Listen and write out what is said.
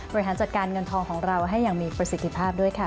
บริหารจัดการเงินทองของเราให้อย่างมีประสิทธิภาพด้วยค่ะ